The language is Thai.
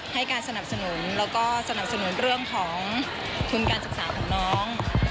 ให้การสนับสนุนแล้วก็สนับสนุนเรื่องของทุนการศึกษาของน้อง